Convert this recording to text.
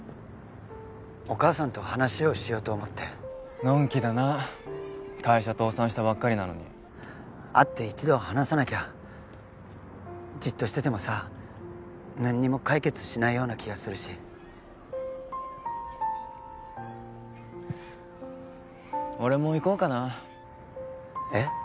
お母さんと話をしようと思ってのんきだな会社倒産したばっかりなのに会って一度話さなきゃじっとしててもさ何にも解決しないような気がするし俺も行こうかなえッ？